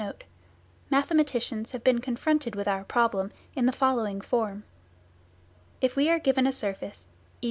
Notes *) Mathematicians have been confronted with our problem in the following form. If we are given a surface (e.